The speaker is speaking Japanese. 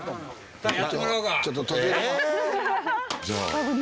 じゃあ。